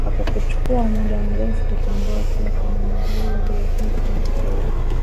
Hakuchukua muda mrefu kutambua kuwa kuna magari yalikuwa yakimfatilia